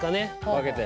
分けて？